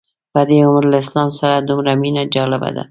په دې عمر له اسلام سره دومره مینه جالبه ده.